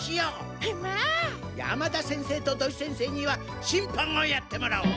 山田先生と土井先生にはしんぱんをやってもらおう。